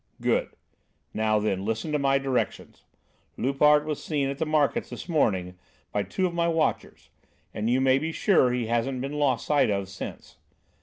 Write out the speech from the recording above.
"Good. Now, then, listen to my directions. Loupart was seen at the markets this morning by two of my watchers, and you may be sure he hasn't been lost sight of since.